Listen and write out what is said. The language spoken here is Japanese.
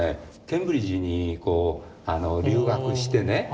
ケンブリッジに留学してね